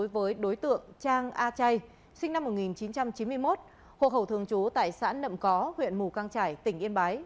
với đối tượng trang a chay sinh năm một nghìn chín trăm chín mươi một hộ khẩu thường trú tại xã nậm có huyện mù căng trải tỉnh yên bái